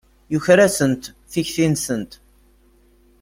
Yuker-asent tikti-nsent.